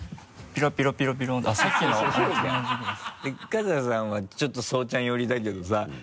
で春日さんはちょっと爽ちゃん寄りだけどさ。